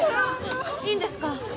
いいんですか？